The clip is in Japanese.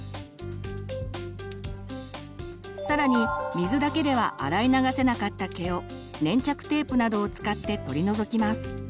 更に水だけでは洗い流せなかった毛を粘着テープなどを使って取り除きます。